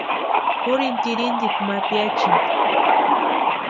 Jurini tirhintikwa ma piachiani.